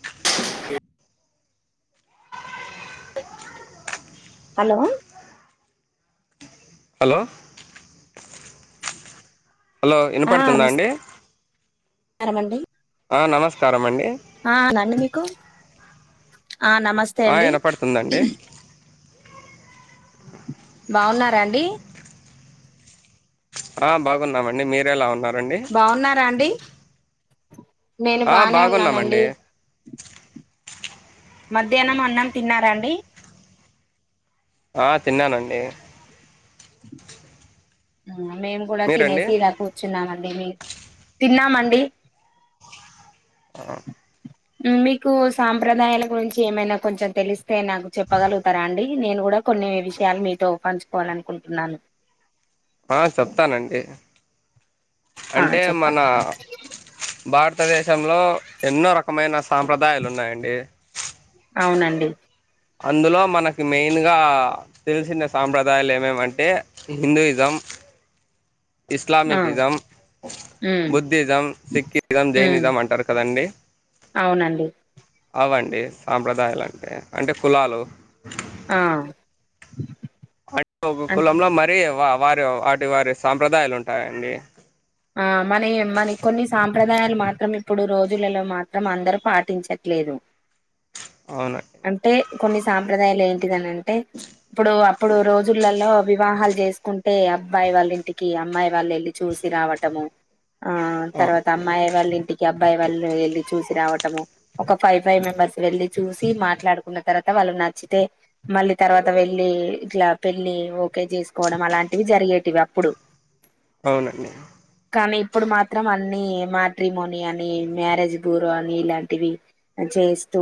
అ hello hello hello ఇనా పడుతుందా అండి కారమండి ఆ నమస్కారం అండి ఆ నాన్ను మీకు ఆ నమస్తే ఆ అండి వినపడుతుందండి బాగున్నారాండి ఆ బాగున్నామండి మీరేలా ఉన్నారు బాగున్నారా అండి నేను ఆ బానే ఉన్నానండి బాగున్నామండి మధ్యాహ్నం అన్నం తిన్నారంండి ఆ తిన్నానండి ఉ మేము కూడా మీరండి తినేసి ఇలా కూర్చున్నాం అన్ డి వి తిన్నామండి ఆ ఉ మీకు సాంప్రదాయాల గురించి ఏమైనా కొంచెం తెలిస్తే నాకు చెప్పగలుగుతారా అండి నేను గుడా కొన్ని విషయాలు మీతో ఉపంచుకోవాల అనుకుంటున్నాను ఆ చెప్తానండి ఆ అంటే మన చెప్పండి భార్ తదేశంలో ఎన్నో రకమైన సాంప్రదాయాలు ఉన్నాయండి అవునండి అందులో మనకి మెయిన్గా తెలిసిన సాంప్రదాయాలు ఏమేమంటే హిందూయిజం ఆ ఇస్లామికి ఇజం ఉమ్, బుద్ధిజం సిఖిజం ఉమ్, జైనిజం అంటారు కదండి అవునండి అవండి సాంప్రదాయాలు అంటే అంటే కులాలు ఆ అంటే ఒకో కులంలో మరీ వారి వాటి వారి సాంప్రదాయాలు ఉంటాయండి ఆ మనయి మన కొన్ని సాంప్రదాయాలు మాత్రం ఇప్పుడు రోజులలో మాత్రం అందరుూ పాటించచ్చు లే లేదు అవునండి కొన్ని సాంప్రదాయాలు ఏంటిదని అంటే ఇప్పుడు అప్పుడు రోజులలో వివాహాలు చేసుకుంటే అబ్బాయి వాళ్ళింటికి అమ్మాయి వాళ్ళు వెళ్ళి చూసి రావటము ఆ తర్వాత అవునండి అమ్మాయి వాళ్ళ ఇంటికి అబ్ అబ్బా వాళ్ళు వెళ్ళి చూసి రావటము ఒక ఫైవ్ ఫైవ్ మెంబర్స్ వెళ్ళి చూసి మాట్లాడుకున్న తర్వాత వాళ్ళు నచ్చితే మళ్ళీ తర్వాత వెళ్ళలి ఇట్లా పెళ్ళి ఓకే చేసుకోవడం అలాంటివి జరిగేటివి అప్పుడు అవునండి కానీ ఇప్పుడు మాత్రం అన్ని మ్యాట్రిమోనీ అని మ్యారేజ్ గురో అని ఇలాంటివి జన్ చేస్తూ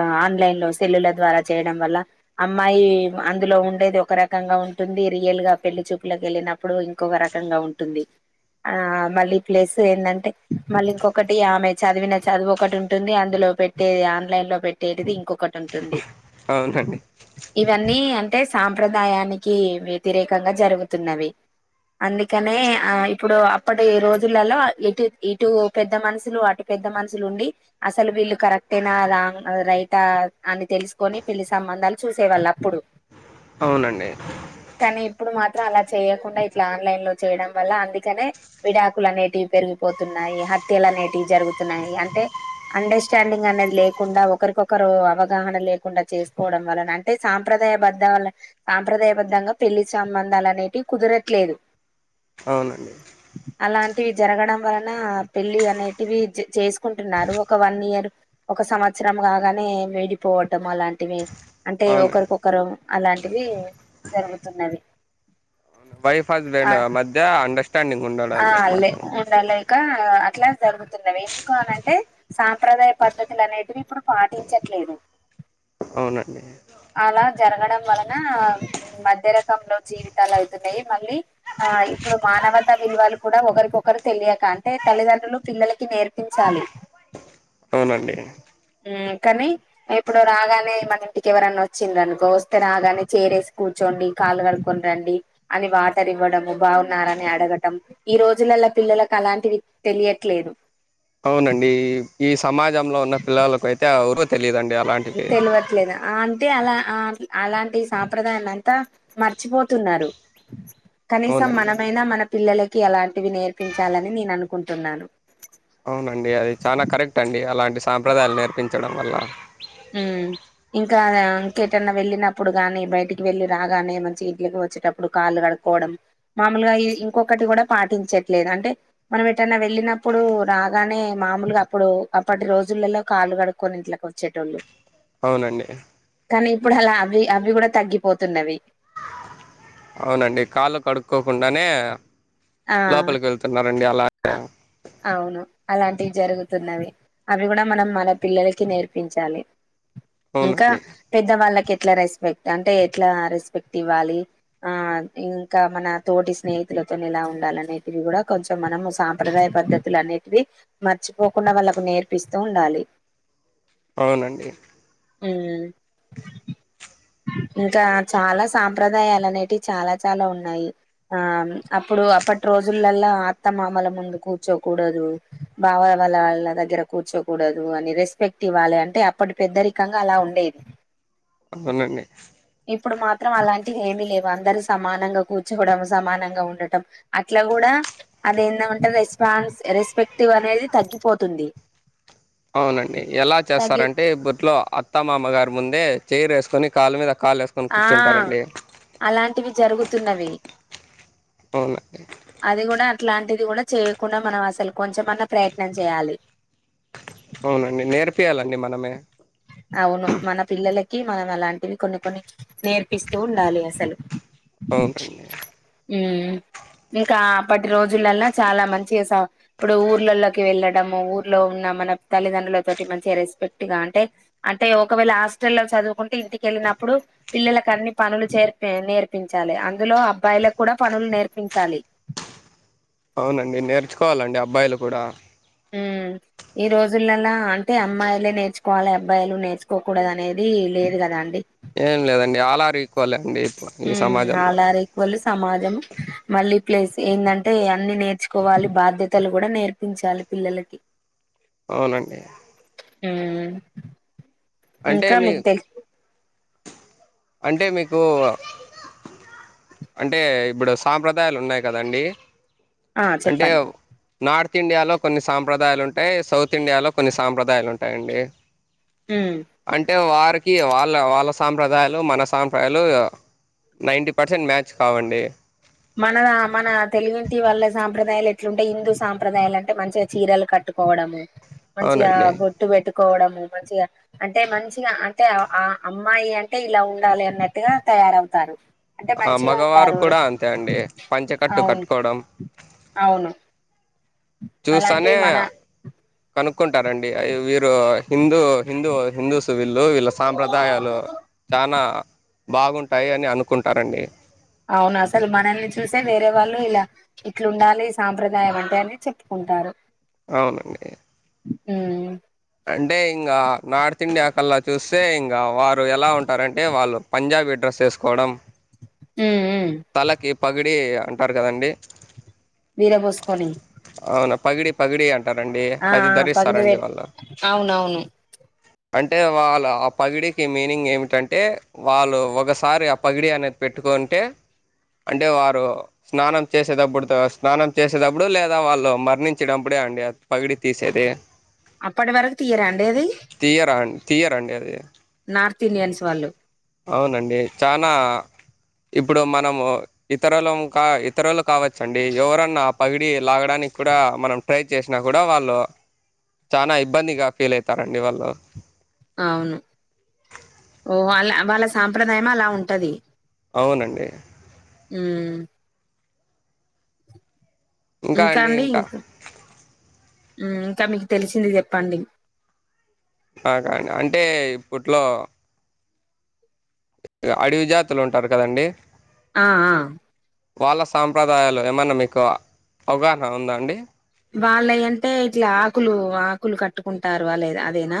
ఆ ఆన్లైన్ లో సెల్లుల ద్వారా చేయడం వల్ల అమ్మాయి అందులో ఉండేది ఒక ఒక రకంగా ఉంటుంది రియల్ గా పెళ్లి చూపులకి వెళ్ళినప్పుడు ఇంకొక రకంగా ఉంటుంది ఆ మళ్ళీ ప్లేస్ ఏంటంటే మళ్ళీ ఇంకొకటి ఆమె చదివిన చదువు ఒకటి ఉంటుంది అందులో పెట్టే ఆన్లైన్ లో పెట్టేది ఇంకో ఒకటి ఉంటుంది అవునండి ఇవన్నీ అంటే సాంప్రదాయానికి వ్యతిరేకంగా జరుగుతున్నవి అందుకనే ఆ ఈ ఇప్పుడు అప్పటి రోజులలో ఎటు ఇటు పెద్ద మనుషులు అటు పెద్ద మనుషులు ఉండి అసలు వి వీళ్లు కరెక్టేనా రాంగ్ రైటా అని తెలుసుకొని పిళ్లి సంబంధాలు చూసే వాళ్ళు అప్పుడు అవునండి కానీ మాత్రం ఇప్పుడు అలా చేయకుండా ఇట్లా ఆన్లైన్ లో చేయడం వల్ల అందుకి కనే విడాకులు అనేటివి పెరిగిపోతున్నాయి హత్యలు అనేటివి జరుగుతున్నాయి అంటే అండర్స్టాండింగ్ అనది లేకుండా ఒకరికొకరు అవగాహన లేకుండా చేసుకోవడం వలన అంటే సాంప్రదా సాప్రదాయ బధలా సాంప్రదాయ బద్ధంగా పెళ్లి సంబంధాలు అనేటివి కుదరట్లేదు అవునండి అలాంటివి జరగడం వలన పెళ్ళి అనేటివి జ చేసుకుంటున్నారు ఒక వన్ ఇయర్ ఒక సంవత్సరం కాగానే వేడిపోవటం అలాంటివి అంటే అవునండి ఒకరికొకరు అలాంటివి జరుగుతున్నది అవును వైఫ్ హస్బెండ్ మధ్య అండర్స్టాం ఆ లే ఉండా లేక అట్ ఇట్లా జరుగుతుంనవి ఎందుకు అనంటే సాంప్రదాయ పద్ధతులు అనేటివి ఇప్పుడు పాటించట్లేదు అవునండి అలా జరగడం వలన మధ్యరకంలో జీవితాలు అవుతున్నాయి మళ్ళీ ఆ ఇప్పుడు మానవత్ విలువలు కూడా ఒకరికొకరు తెలియక అంటే తల్లిదండ్రులు పిల్లలకి నేర్పించాలి అవునండి హ్మ్ కానీ ఇప్పుడు రాగానే మన ఇంటికి ఎవరన్నా వచ్చింది అనుకో వస్తే రాగానే చేరేసి కూర్చో డి కళ్ళు కడుకొని రండి అని వాటర్ ఇవ్వడం బాగున్నార అని అడ డం ఈ రోజులల పిల్లలకు అలాంటివి తెలియట్లేదు అవునండి ఈ సమాజంలో ఉన్న పిల్లలకు అయితే [unintelligible] తెలిదండి తెలివట్లేదు ఆ అంటే అలా ఆ అలాంటి సంప్రదాయాన్ని అంతా మర్చిపోతున్నారు కనీసం అవునండి మనమైనా మన పిల్లలకి అలాంటివి నేర్పించాలని నేను అనుకుంటున్నాను అవునండి అది చాలా కరెక్ట్ అండి అలాంటి సంప్రదాయాలు నేర్పించడం వల్ల [unintelligible] ఎటన్న వెళ్ళినప్పుడు కానీ బయటికి వెళ్ళి రాగానే మంచి ఇంట్లోకి వచ్చేటప్పుడు కాళ్ళు కడుకోవడం మామూలుగా ఇంకొకటి కూడా పాటించట్లేదు అంటే మనం ఎటన్న వెళ్ళినప్పుడు రాగా నే మామూలుగా అప్పుడు అప్పటి రోజులలో కళ్ళు కడుక్కొని ఇంట్లోకి వచ్చేటోళ్ళు అవునండి కానీ ఇప్పుడు అలా అవి అవి కూడా తగ్గిపోతున్నవి ననే లోపలికి వెళ్తున్నారండి అలా అ అవును అలా ఇలాంటివి జరుగుతున్నవి అవి కూడా మనం మన పిల్లలకి నేర్పించాలి ఇంకా అవునండి పెద్దవాళ్ళకే ఎట్లా రెస్పెక్ట్ అంటే ఎట్లా రెస్పెక్ట్ ఇవ్వాలి ఆ ఇంకా మన తోటి స్నేహితుల వతోని ఎలా ఉండాలి అనేటివి కూడా కొంచం మనము సాంప్రదాయ పద్ధతులు అన్నిటివి మర్చిపోకుండా వాళ్ళలకు నేర్పిస్తూ ఉండాలి అవునండి హ్మ్ ఇంకా చాలా సాంప్రదాయాలు అనేటివి చాలా చాలా ఉన్నాయి ఆ అప్పుడు అప్ అప్పటి రోజులలా అత్త మామలు ముందు కూర్చోకూడదు బావ వాళ్ళ వాళ్ళ దగ్గర కూర్చోకూడదు అని రెస్పెక్ట్ ఇవ్వాలి అం టే అప్పడి పెద్దరికంగా అలా ఉండేది అవునండి ఇప్పుడు మాత్రం అలాంటివి ఏమీ లేవు అందరు సమానంగా కూర్చోకోవడం సమానంగా ఉండటం అట్లా కూడా అ అదేందొంటే రెస్పాన్స్ రెస్పెక్టివ్ అనేది తగ్గిపోతుంది అవునండి ఎలా తగ్గి చేస్తారంటే ఇబ్బుట్లో అత్తమామ గారి ముందే చైర్ వేసుకోని కాళ్ళ మీద కాళ్ళు వేసుకొని ఆ కూర్చుంటారండి అలాంటివి జరుగుతున్నవి అవునండి ఇట్లాంటిది కూడా చేయకుండా మనం అసలు కొంచమన్నా ప్రయత్నం చేయాలి అవునండి నేర్పియాలండి మనమే అవును మన పిల్లలకి మనం అలాంటివి కొన్ని కొన్ని నేర్పిస్తూ ఉండాలి అసలు అవునండి హ్మ్ ఇంకా అప్పటి రోజులలా చాలా మంచి స ఇప్పుడు ఊర్లలోకి వెళ్ళడము ఊర్లో ఉన్న మన తల్లిదండ్రుల తోటి మంచి రెస్పెక్ట్ గా అంటే అంటే ఒకవేళ హాస్టల్లో చదువుకుంటే ఇంటికి వెళ్ళినప్పుడు పిల్లలలకు అన్ని పనులు చేర్తే నేర్పించాలి [unintelligible] అందులో అబ్బాయిలకు కూడా పనులు నేర్పించాలి అవునండి నేర్చుకోవాలండి అబ్బాయిలు కూడా హ్మ్ ఈ రోజులలా అంటే అమ్మాయిలే నేర్చుకోవాలి అబ్బాయిలు నేర్చుకోకూడదు అనేది లేదు కదాండి ఏం లేదండి అల్ అర్ ఈ హ్మ్ సమాజంలో అల్ అర్ ఈక్వల్ సమాజం మళ్ళీ ప్లేస్ ఏందంటే అన్ని నేర్చుకోవాలి బాధ్యతలు కూడా నేర్పించాలి పిల్లలకి అవునండి మ్ అంటే ఇంకా మీ మీకు తె అంటే మీకు అంటే ఇప్పుడు సాంప్రదాయాలు ఉన్నాయి కదండి ఆ అంటే చెప్పండి నార్త్ ార్త్ ఇండియాలో కొన్ని సాంప్రదాయాలు ఉంటాయి సౌత్ ఇండియాలో కొన్ని సాంప్రదాయాలు ఉంటాయండి ఉమ్ అంటే వార్ వాళ్ళ వాళ్ళ సాంప్రదాయాలు మన సాంప్రదయాలు నైటీ పర్సెంట్ మ్యా చ్ కావండి మన మన తెలుగుంటి వాళ్ళ సాంప్రదాయాలు ఎట్లుంటాయ్ హిందూ సాప్రదాలు అంటే మంచిగా చీరలు కట్ ట్టుకోవడ మంచిగా అవునండి బొట్టు పెట్టుకోవడం మంచిగా అంటే మంచిగా అంటే ఆ అమ్మాయి అంటే ఇలా ఉండాలి అన్నట్టుగా తయారవుతారు అంటే ఆ మంచిగా మగవారు ఉంటారు కూడా అంతే అండి పంచకట్టు అవును కట్టుకోవడం అవును చూస్తానే అలాంటివి మన కనుక్కుంటారండి ఆ వీరు హిందూ హిందూ హిందూస్ వీళ్ళు వీళ్ళ సాంప్రదాయాలు చనాా బాగుంటాయి అని అనుకుంటారండి అవును అసలు మనల్ని చూసే వేరే వాళ్ళు ఇలా ఇట్లు ఉండాలి ఈ సాంప్రదాయం అంటే అని చెప్పుకుం టారు అవునండి మ్ అంటే ఇంగ నార్త్ ఇండియా కళ్ళ చూస్తే ఇంగ వారు ఎలా ఉంటారంటే వాళ్ళు పంజాబీ డ్రెస్ వేసుకోవడం ఉమ్ ఉమ్ తలకి పగిడి అంటారు కదండి విరబోస్ కొని అవునా పగిడి పగిడి అంటారండి అది పగిలి ధరిస్తారండి పెట్ వాళ్ళు అవునవును అంటే వాళ్ళ ఆ పగిడికి మీనింగ్ ఏమిటంటే వాళ్ళు ఒకసారి ఆ పగిడి అనేది పెట్టు కుంటే అంటే వారు స్నానం చేసేటప్పుడు స్నానం చేసేటప్పుడు లేదా వాళ్ళు మరణించడం అప్పుడే అండి అద్ పగిడి తీసేది అప్పటి వరకు తీయరాండి అది తీయరా అండి? తీయరండి అది నార్త్ ఇండియన్స్ వాళ్ళు అవునండి చనాా ఇప్పుడు మనము ఇతరులు ఇతరులు కావచ్చండి ఎవరన్నా పగిడి లాగడానికి కూడా మనం ట్రై చేసినా కూడా వాళ్ళు చానా ఇబ్బందిగా ఫీల్ అయితారండి వాళ్ళు అవును వాళ్ళ వాళ్ళ సాంప్రదాయం అలా ఉంటది అవునండి మ్ ఇంకా అండి ఇంకాండి ఇంకా ఇం ఇంకా మీకు తెలిసింది చెప్పండి నాకా అండి అంటే ఇప్పట్లో అడివి జాతులు ఉంటారు కదండి ఆ ఆ వాళ్ళ సాంప్రదాయాలు ఏమైన్నా మీకు అవగాహన ఉందా అండి వాళ్ళుయ్ అంటే ఇట్లా ఆకులు ఆకులు కట్టుకుంటారు వాళ్ళ అదేనా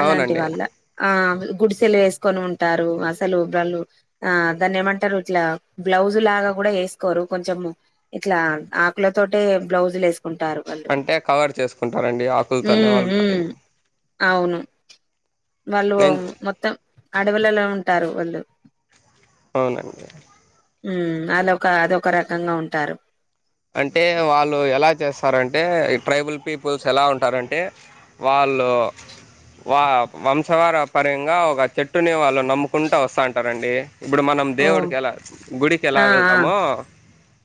అలాంటి అవునండి వల్ల ఆ గుడిసెలేసుకొని ఉంటారు అసలు వాళ్ళు ఆ దాన్ని ఏమంటారు ఇట్లా బ్లౌజ్ లాగా ఏసుకోరు కొంచం ఇట్లా ఆకులతోటే బ్లౌజ్ ంటారు వాళ్ళు అంటే కవర్ చేసుకుంటారండి ఆకులతోనే మ్ వాళ్ళ మ్ బాడీని అవును వాళ్ళు నేను మొత్తం అడవులలో ఉంటారు వాళ్ళు అవునండి ఉం అల్లోక అదొక రకంగా ఉంటారు అంటే వాళ్ళు ఎలా చేస్తారంటే ట్రైబల్ పీపుల్స్ ఎలా ఉంటారంటే వాళ్ళు ల్లు వా వంశవార పర్యం గా ఒక చెట్టుని వాళ్ళు నమ్ముకుంటా వస్తాంటారండి ఇప్పుడు మనం ఓ దేవుడికి ఎలా గుడికి ఎలా ఆ ఆ వెళ్తామో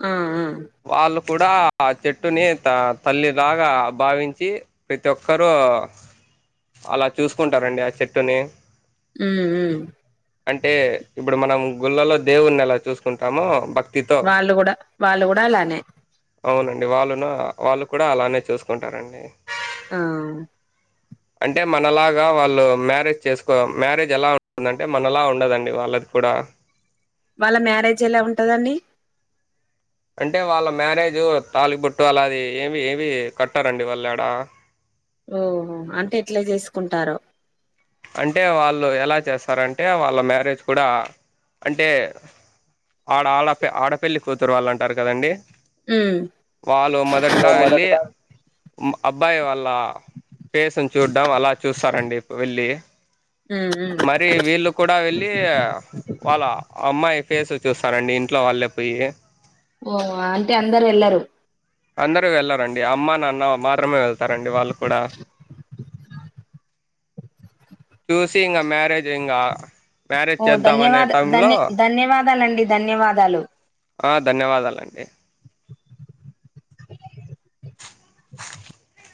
ఆ ఆ వాళ్ళు కూడా ఆ చెట్టుని త తల్లిలాగా భావించి ప్రతి ఒక్కరు అలా చూసుకుంటారండి ఆ చెట్టుని ఉం ఉం అంటే ఇప్పుడు మనం గుళ్లలో దేవుని ఎలా చూసుకుంటామో భక్ వాళ్ళు కూడా వాళ్ళు కూడా అలానే అవునండి వాళ్ళును వాళ్ళు కూడా అలానే చూసుకుంటారండి ఆ అంటే మనలాగా వాళ్ళు మ్యారేజ్ చేసుకో మ్యారేజ్ ఎలా ఉంటుందంటే మనలా ఉండదండి వాళ్ళకి కూడా వాళ్ళ మ్యారేజ్ ఎలా ఉంటదండి అంటే వాళ్ళ మ్యారేజు తాలిబోట్టు అలాది ఏమి ఏమి కట్టరండి వాళ్ళు ఆడ ఓహో అంటే ఎట్లా చేసుకుంటారో అంటే వాళ్ళు ఎలా చేస్తారంటే వాళ్ళ మ్యారేజ్ కూడా అంటే ఆడ ఆడపి ఆడపేళ్లి కూతురు వాళ్ళు అంటారు కదండి ఉమ్ వాళ్ళు సో మొదటిగా వెళ్ళి మొదటిసారి అబ్బాయి వాళ్ళ ఫేస్ని చూడడం అలా చూస్తారండి వెళ్ళి ఉమ్ ఉమ్ మరి వీళ్ళు కూడా వెళ్ళి వాళ్ళ అమ్మాయి ఫేస్ చూస్తాండి ఇంట్లో వాళ్ళే పోయి ఓ అంటే అందరు వెళ్లరు అందరూ వెళ్ళారండి అమ్మ నాన్న మాత్రమే వెళ్తారండి వాళ్ళు కూడా చూసి ఇంగ మరేజ్ ఇంగ ఓ ధన్యవాద ధన్య ధన్యవాదాలండి ధన్యవాదాలు ఆ ధన్యవాదాలండి